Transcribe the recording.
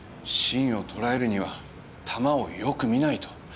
芯をとらえるには球をよく見ないと。